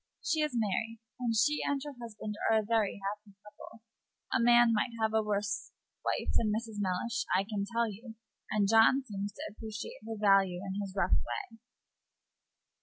She is married, and she and her husband are a very happy couple. A man might have a worse wife than Mrs. Mellish, I can tell you; and John seems to appreciate her value in his rough way."